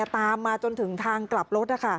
ตามมาจนถึงทางกลับรถ